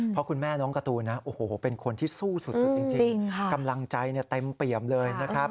เพราะคุณแม่น้องการ์ตูนนะโอ้โหเป็นคนที่สู้สุดจริงกำลังใจเต็มเปี่ยมเลยนะครับ